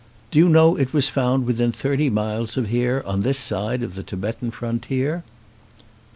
"Do you know it was found within thirty miles of here, on this side of the Tibetan frontier?"